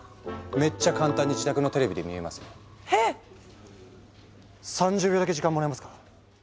めっちゃ簡単に自宅のテレビで見れますよ。へ⁉３０秒だけ時間もらえますか？